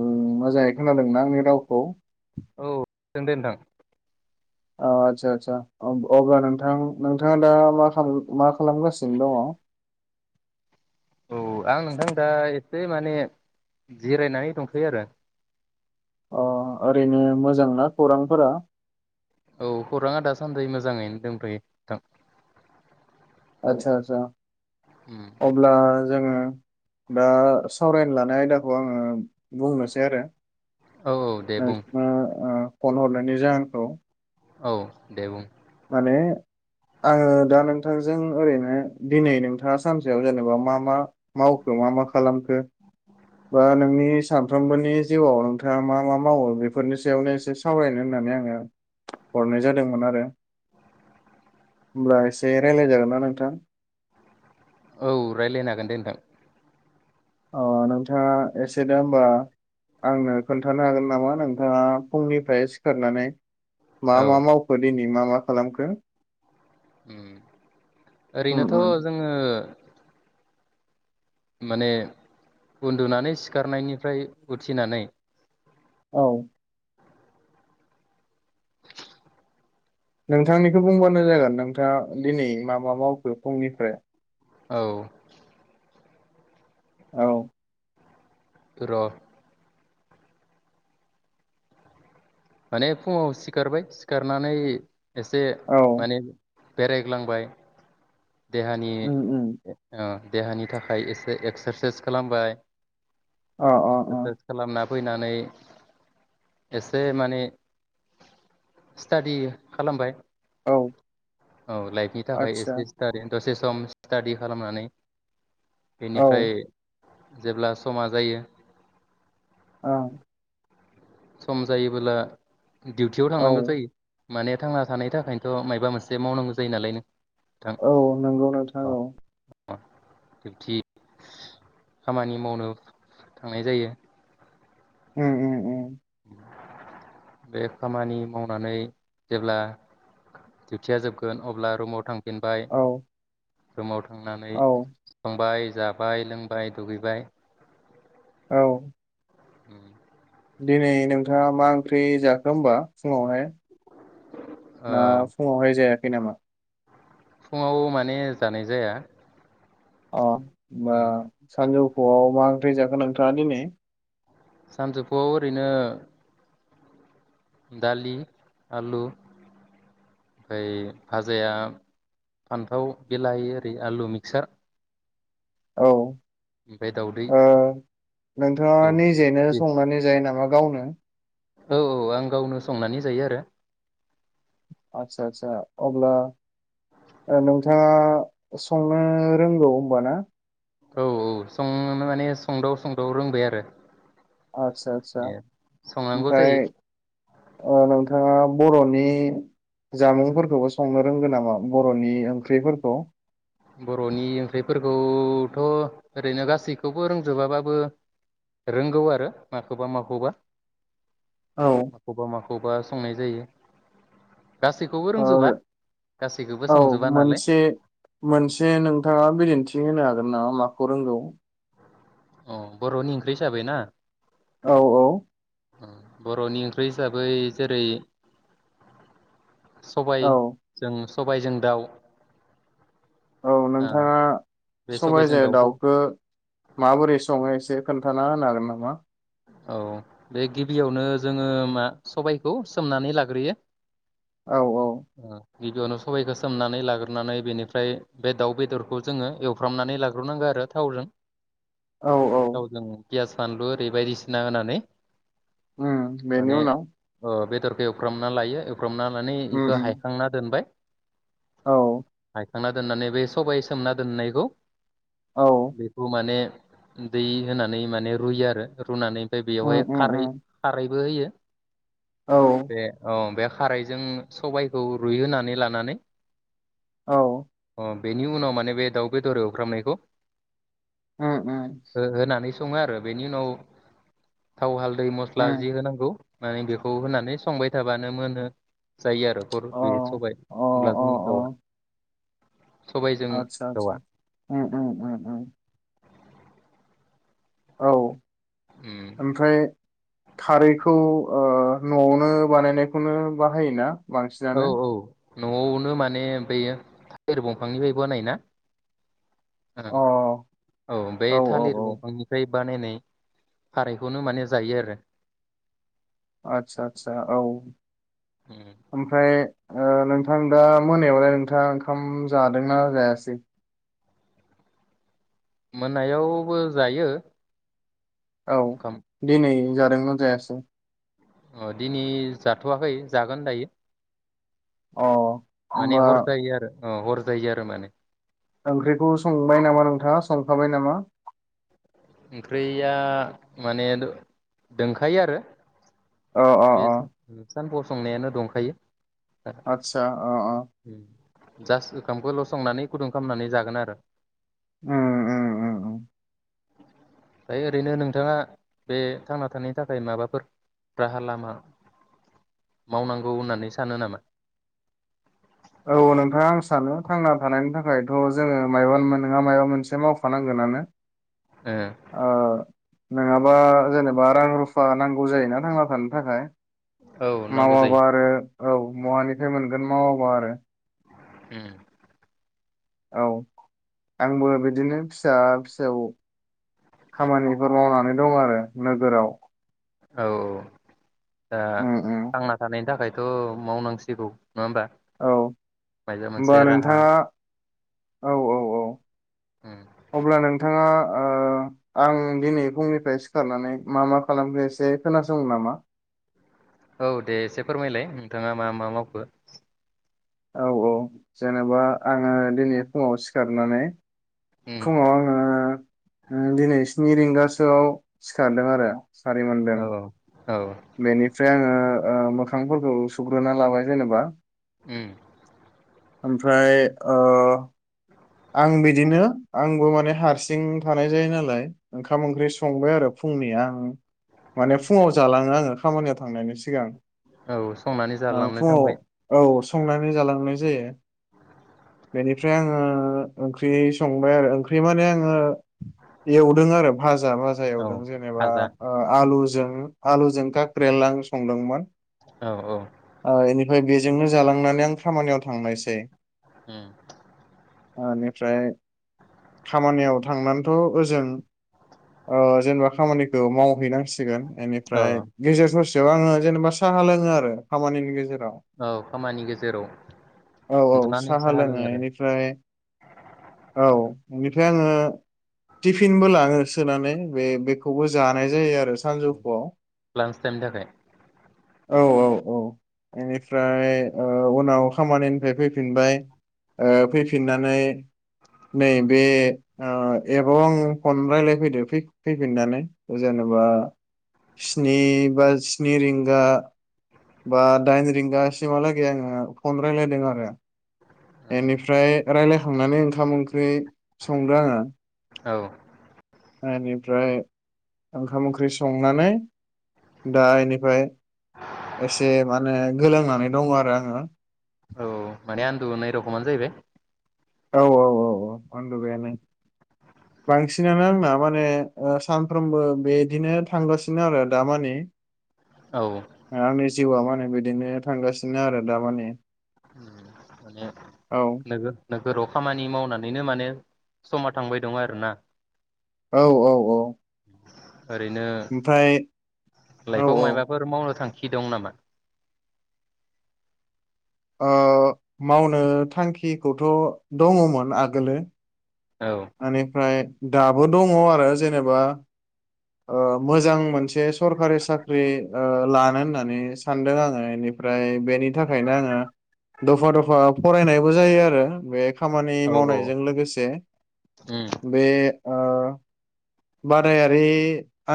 ओम मोजाङै खोनादों ना आंनि रावखौ सों दे नोंथां औ आदसा आसा अब्ला नोंथां नोंथाङा दा माखालाम मा खालामगासिनो दङ? औ औ आं नोंथां दा एसे माने जिरायनानै दंथयो आरो अ ओरैनो मोजांना खौरांफोरा? औ खौराङा दासान्दि मोजाङैनो दंथयो नोंथां आतसा आतसा अब्ला जोङो दा सावराय लानाय आयदाखौ आङो बुंनोसै आरो औ दे बुं नोंथाङा ओ फन हरनानै जाहोनखौ औ दे बुं माने आङो दा नोंथांजों ओरैनो दिनै नोंथाङा सानसेयाव जेनेबा मा मा मावखो मा मा खालामखो बा नोंनि सानफ्रोमबोनि जिउआव नोंथाङा मा मा मावो बेफोरनि सायावनो एसे सावरायनो होननानै आङो हरनाय जादोंमोन आरो होमब्ला एसे रायज्लाय जागोन ना नोंथां औ रायज्लायनो हागोन दे नोंथां अ नोंथाङा एसे दा होमबा आंनो खोन्थानो हागोन नामा? नोंथाङा फुंनिफ्राय सिखारनानै मा औ मा मावखो दिनै मा मा खालामखो उम उम ओरैनोथ' उम जोङो माने उन्दुनानै सिखारनायनिफ्राय उथिनानै औ नोंथांनिखौ बुंबानो जागोन नोंथाङा दिनै मा मा मावखो फुंनिफ्राय औ औ थु र' माने फुङाव सिखारबाय सिखारनानै एसे औ माने बेरायग्लांबाय देहानि उम उम देहानि थाखाय एसे एक्सारसाइस खालामबाय अ अ एक्सारसाइज अ खालामना फैनानै एसे माने स्टादि खालामबाय औ औ लाइफनि थाखाय आदसा एसे स्टादि दसे सम स्टाडि खालामनानै औ बेनिफ्राय जेब्ला समा जायो औ सम जायोबोला दिउटियाव औ थांनांगौ जायो माने थांना थानायनि थाखायनोथ' मायाबा मोनसे मावनांगौ जायो नालाय नों औ नंगौ नोंथां औ दिउटी खामानि मावनो थांनाय जायो उ उ उ बे खामानि मावनानै जेब्ला डिउथिया जोबगोन अब्ला रुमाव थां फिनबाय औ रुमाव थांनानै औ थांबाय जाबाय लोंबाय दुगैबाय औ उ दिनै नोंथाङा मा ओंख्रि जाखो होनबा फुङावहाय ना ओ फुङावहाय जाया फ नामा फुङाव माने जानाय जाया अ मा ओ सानजौ ग'आव मा ओंख्रि जाखो नोंथाङा दिनै सानजौफुआव ओरैनो दालि आलु ओमफ्राय भाजाया फान्थाव बेलाहि ओरै आलु मिक्सार औ ओमफ्राय दाउदै ओ नोंथाङा औ निजेनो संनानै जायो नामा गावनो औ औ आं गावनो संनानै जायो आरो आदसा आदसा अब्ला नोंथाङा संनो रोंगौ होनबा ना। औ औ संनो माने संदाव संदाव रोंबाय आरो। आतसा आतसा ए संनांगौ ओमफ्राय जायो ओ नोंथ थाङा बर'नि जामुंफोरखौबो संनो रोंगौ नामा बर'नि ओंख्रिफोरखौ? फोरखौथ' ओरैनो गासैखौबो रोंजोबाबाबो रोंगौ आरो माखौबा माखौबा। औ माखौबा माख खौबा संनाय जायो। गासैखौबो ओ रोंजोबा गासैखौबो औ संजोबा नालाय। मोनसे मोनसे नोंथाङा बिदिन्थि होनो हागोन नामा माखौ रोंगौ। अ बर'नि ओंख्रि हिसाबै ना। औ औ। ओम बर'नि ओंख्रि हिसाबै जेरै- सबाय औ जों सबायजों दाउ। औ ओ नोंथाङा बे सबाय सबायजों जाय दाउखौ माबोरै सङो एसे खोन्थाना होनो हागोन नामा? औ बे गिबियावनो जोङो मा सबायखौ सोमनानै लाग्रोयो। औ औ। ओ गिबियावनो सबायखौ सोमनानै लाग्रोनानै बेनिफ्राय बे दाउ बेदरखौ जोङो एवफ्रामनानै लाग्रोनांगौ आरो थावजों। औ औ। फियास फानलुु दै बायदिसिना होनानै उम बेनि माने उनाव अ बे दरखौ एवफ्रामना लायो एव फ्रामना लानानै उम इखो उम हायखांना दोनबाय। औ। खांना दोननानै बे सबाइ सोमना दोननायखौ औ बेखौ माने दै होनानै माने रुयो आरो। रुनानै बे उम बेयावहाय उम खारै उम खारै बो होयो। औ बे औ बे खारायजों सबायखौ रुइहोनानै लानानै। औ। अ बेनि उनाव माने बे दाउ बेदर एवफ्रामनायखौ उम उम ओ होनानै दं आरो बेनि उनाव थाव हाल दै मस्ला उम जि होनांगौ। माने बेखौ होनानै संबाय थाबानो मोनो। जायो आरो अ बे सबायाइ अनलाजों हिनजावा। आतसा-आतसा ओम ओम। औ। उम ओमफ्राय खारैखौ। ओ नआवनो बानायनायखौनो बाहायोना। औ बांसिनानो। औ नआवनो माने ब थिर दंफांनिफ्रायबोनाय ना। अ औ बे औ थालिर औ दंफांनिफ्राय। बानायनाय खारायखौनो माने जायो आरो। आतसा-आतसा औ उम ओमफ्राय। ओ नोंथां दा मोनायावलाय नोंथाङा ओंखाम जादोंना जायासै। मोनायावबो जायो। औ ओंखाम दिनै। जादोंना‌ जायासै। अ दिनै जाथवाखै जागोन दायो। अ। माने होमबा हरजायो आरो।। अ हर जायो आरो माने। ओंख्रिखौ संबाय नामा नोंथाङा संखाबाय नामा। ओंख्रिया माने दोंखायो आरो। औ अ अ। सान फसंनायानो दंखायो। आतसा अ अ। जास्ट ओंखामखौल संनानै गुदुं खालामनानै जागोन आरो। ओम ओम ओम। दायो ओरैनो नोंथाङा बे थांना थानायनि थाखाय माबाफोर राहा लामा मावनांगौ होननानै सानो नामा? औ नोंथाङा आं सानो थांना थानायनि थाखायथ जोङो मब नोंहा माबा मोनसे मावफानांगोनआानो। ओ। नङाबा जेनेबा बा रां रुफा नांगौ जायोोना थांना थानो थाखाय ओ औ नांगौ जायो मावाबा आरो औ महानिफ्राय मोन माव आरो। ओम। औ आंबो बिदिनो फिसा फिसौ खामानिफोर मावनानै दं आरो नोगोराव। औ। दा उम उम थांना थानायनि थाखाय। थ' मावनांसिगौ नङा होमबा औ मायबा होनबा मोनसे राहा नोंथाङा औ औ औ उम अब्ला नों नोंथाङा ओ आं दिनै फुंनिफ्राय सिखारनानै मा मा खालामखो एसे खोनासंनो नामा? औ दे एसे फोरमायलाय नोंथाङा मा मा मावखो औ औ जेनेबा आङो दिनै फुङाव सिखारनानै उम फुङाव आङो दिनै स्नि रिंगासो सोआव सिखारदों आरो सारिमोनदों औ औ बेनिफ्राय आङो ओ मोखांफोरखौ सुग्रोना लाबाय जेनबा ओम ओमफ्राय ओ आं बिदिनो आंबो माने हारसिं थानाय जायो नालाय ओंखाम ओंख्रि संबाय आरो फुंनि आं माने फुङाव जालाङो आङो खामानियाव थांनायनि सिगां औ संनानै ओ जालांनो थांबाय फुङाव औ संनानै जालां [unintelligible] [unintelligible] बेनिफ्राय आङो ओंख्रि संबाय आरो ओंख्रि माने आङो एवदों आरो भाजा भाजा औ एवदों जेनेबा खाजा ओ आलु जों आलुजों काक्रेला आं संदोंमोन औ औ ओ इनिफ्राय बेजोंनो जालांनानै आं खामानियाव थांनायसै ओम ओनिफ्राय खामानियाव थांनानैथ' ओजों ओ जेनेबा खामानिखौ मावहैनांसिगोन औ बेनिफ्राय गेजेर ससे बेआव आङो जेनेबा साहा लोङो आरो खामानिनि गेजेर औ खामानि गेजेराव औ औ साहा लोङो एनिफ्राय औ बेनिफ्राय आङो टिफिनबो लाङो सोनानै बे बेखौबो जानाय जायो आरो सानजौफुआव लान्च टाइमनि थाखाय औ औ औ बेनिफ्राय ओ उनाव खामानिनिफ्राय फैफिनबाय ओ फैफिननानै नै बे ओ एपाव आं फन रायज्लायफैदो फै फैफिननानै जेनेबा स्नि बा स्नि रिंगा बा दाइन रिंगासिमहालागै आङो फन रायलायदों आरो बेनिफ्राय रायलाय खांनानै ओंखाम ओंख्रि संदो आङो औ ओ इनिफ्राय ओंखाम ओंख्रि संनानै दा इनिफ्राय एसे माने गोलांनानै दङ आरो आङो। औ माने आन्दुनाय रखमानो जाहैबाय। औ औ औ औ। ओ औ आंनि जिउआ माने बिदिनो थांगासिनो आरो दामाने। उम माने नोंगो नोंगो नोगोराव खामानि मावनानैनो माने समा थांबाय दं आरोना। औ औ औ। ओरैनो ओमफ्राय औ लाइफाव औ मायबाफोर मावनो थां खि दं नामा? ओ मावनो थांखिखौथ' दङमोन आगोलो औ ओनिफ्राय दाबो दङ आरो जेनेबा। ओ मोजां मोनसे सरखारि साख्रि ओ लानो होननानै सानदों आङो इनिफ्राय बेनि थाखायनो आङो दफा दफा फरायनायबो जायो आरो बे खामानि औ मावनायजों लोगोसे उम बे ओ बादायारि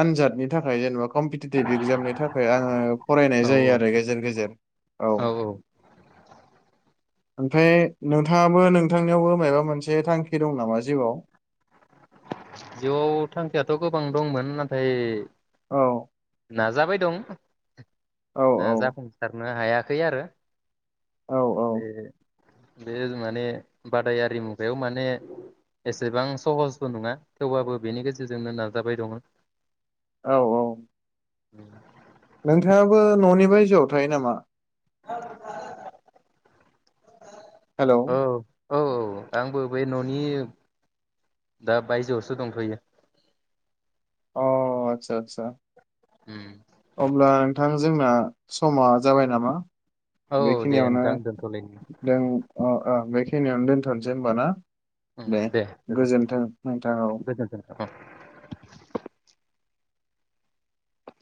आनजादनि थाखाय जेनेबा कम्पिटिटिभ इक्जामनि थाखाय आङो फरायनाय औ जायो आरो गेजेर गेजेर औ। ओमफ्राय नोंथाङाबो नोंथांनियावबो माबा मोनसे थांखि दं नामा जिउआव? जिउआव थांखियाथ' गोबां दंमोन नाथाय औ। नाजाबाय दं औ ‌। ओ जाफुंसारनो हाया खै आरो। औ बे बे जुमाने बादायारि मुगायाव माने एसेबां सहस थ' नङा थेवबाबो बेनि गेजेरजोंनो नाजाबाय दङो। औ औ। [inaudible] नोंथाङाबो न'नि बायजोआव थायो नामा? [unintelligible] हेलौ औ औ औ आंबो बे न'नि दा बायजोआवसो दंथ'यो। अ आतसा आतसा उम अब्ला नोंथां जोंना समा जाबाय नामा। औ दे बेखिनियावनो नोंथां दोनथ'लायनि जों ओ ओ बे खिनियावनो दोनथ'नोसै होमबा ना? ओम दे गोजोनथों गोजोन्थों नोंथां औ गोजोन्थों ओम।